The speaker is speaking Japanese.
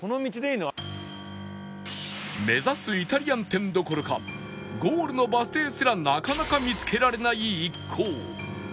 目指すイタリアン店どころかゴールのバス停すらなかなか見つけられない一行